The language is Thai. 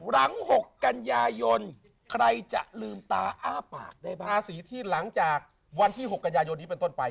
หลัง๖กันยายนใครจะลืมตาอ้าปากได้บ้างราศีที่หลังจากวันที่๖กันยายนนี้เป็นต้นไป